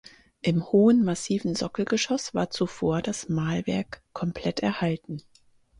Im hohen, massiven Sockelgeschoss war zuvor das Mahlwerk komplett erhalten.